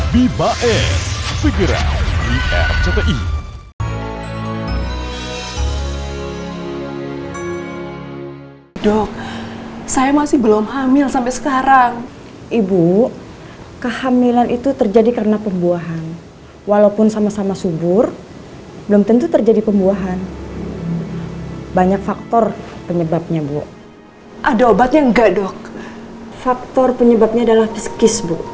bibae figurant di rti